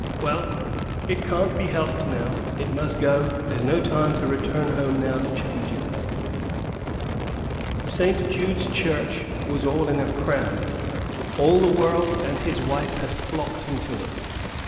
Well, it can't be helped now; it must go; there's no time to return home now to change it." St. Jude's Church was in a cram; all the world and his wife had flocked into it.